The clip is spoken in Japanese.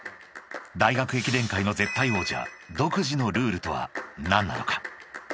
［大学駅伝界の絶対王者独自のルールとは何なのか？］